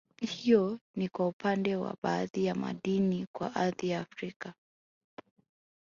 Hiyo ni kwa upande wa baadhi ya madini kwa ardhi ya Afrika